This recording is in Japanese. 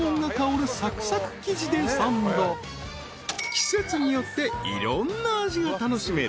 ［季節によっていろんな味が楽しめる］